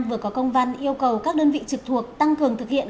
vừa có công văn yêu cầu các đơn vị trực thuộc tăng cường thực hiện